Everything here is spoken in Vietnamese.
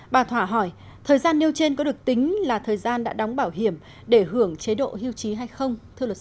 bà thỏa hỏi thời gian nêu trên có được tính là thời gian đã đóng bảo hiểm để hưởng chế độ hiu trí hay không